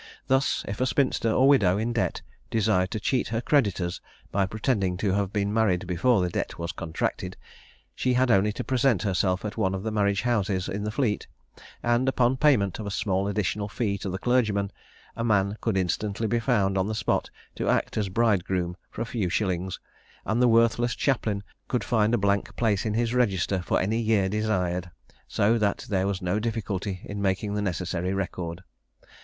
Thus, if a spinster or widow in debt desired to cheat her creditors by pretending to have been married before the debt was contracted, she had only to present herself at one of the marriage houses in the Fleet, and, upon payment of a small additional fee to the clergyman, a man could instantly be found on the spot to act as bridegroom for a few shillings, and the worthless chaplain could find a blank place in his Register for any year desired, so that there was no difficulty in making the necessary record.